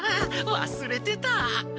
わすれてた！